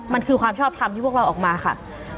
มันคือความชอบทำที่พวกเราออกมาค่ะ